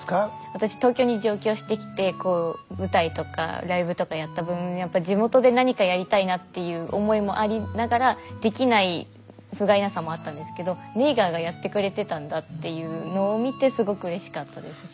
私東京に上京してきてこう舞台とかライブとかやった分やっぱり地元で何かやりたいなっていう思いもありながらできないふがいなさもあったんですけどネイガーがやってくれてたんだっていうのを見てすごくうれしかったですし。